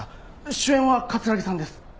主演は城さんです。